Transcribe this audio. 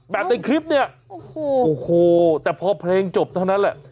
ในคลิปเนี่ยโอ้โหแต่พอเพลงจบเท่านั้นแหละ